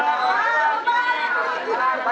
pak jadi oke